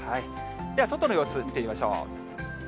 では外の様子見てみましょう。